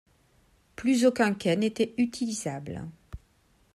Plus aucun quai n'était utilisable.